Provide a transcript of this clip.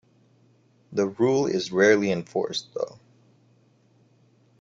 The rule is rarely enforced, though.